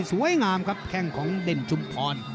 สวยงามครับแข้งของเด่นชุมพร